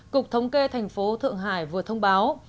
cục thống kê thành phố thượng hải vừa thông báo